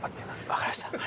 分かりました。